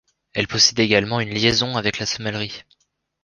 Elle possédait également une liaison avec la sommellerie.